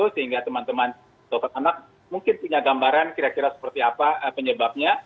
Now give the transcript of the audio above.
sehingga teman teman dokter anak mungkin punya gambaran kira kira seperti apa penyebabnya